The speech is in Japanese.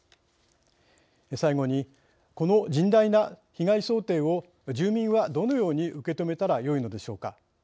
最後に、この甚大な被害想定を住民はどのように受け止めたらよいのでしょうか。